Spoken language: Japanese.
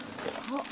あっ！